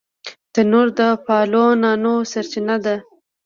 تنور د پالو نانو سرچینه ده